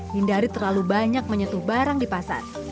hindari terlalu banyak menyentuh barang di pasar